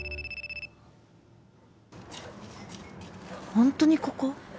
ホントにここ？